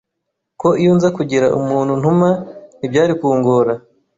ko iyo nza kugira umuntu ntuma ntibyari kungora